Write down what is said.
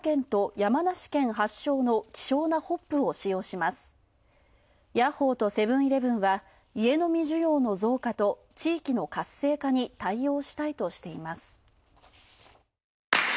ヤッホーとセブン‐イレブンは家飲み需要の増加と地域の活性化に対応したいとしています。